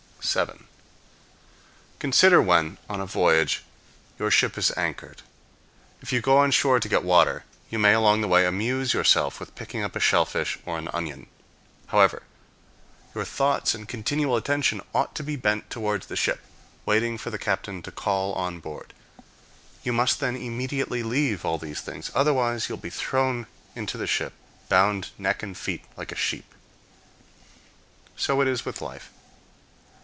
7. Consider when, on a voyage, your ship is anchored; if you go on shore to get water you may along the way amuse yourself with picking up a shellfish, or an onion. However, your thoughts and continual attention ought to be bent towards the ship, waiting for the captain to call on board; you must then immediately leave all these things, otherwise you will be thrown into the ship, bound neck and feet like a sheep. So it is with life.